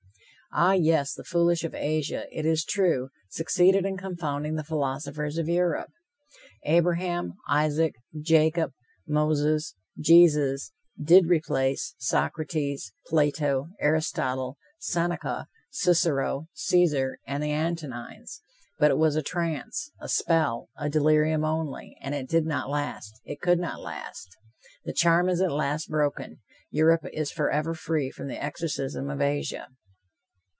Ah, yes, the foolish of Asia, it is true, succeeded in confounding the philosophers of Europe. Abraham, Isaac, Jacob, Moses, Jesus, did replace Socrates, Plato, Aristotle, Seneca, Cicero, Caesar and the Antonines! But it was a trance, a spell, a delirium only, and it did not last, it could not last. The charm is at last broken. Europe is forever free from the exorcism of Asia.